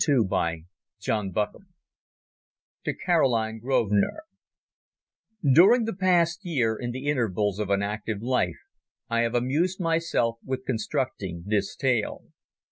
The Guns of the North To Caroline Grosvenor During the past year, in the intervals of an active life, I have amused myself with constructing this tale.